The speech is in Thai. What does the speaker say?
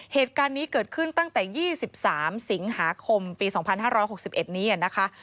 เหตุการณ์นี้เกิดขึ้นตั้งแต่๒๓สิงหาคมปี๒๕๖๑นี้นะคะ